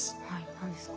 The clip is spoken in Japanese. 何ですか？